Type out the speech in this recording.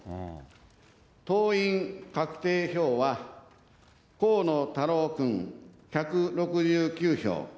党員かくてい票は河野太郎君１６９票。